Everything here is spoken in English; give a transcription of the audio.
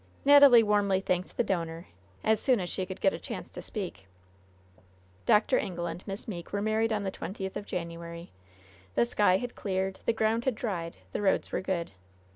Natalie warmly thanked the donor, as soon as she could get a chance to speak. Dr. Ingle and Miss Meeke were married on the twentieth of January. The sky had cleared, the ground had dried, the roads were good.